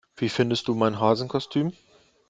Wie findest du mein Hasenkostüm?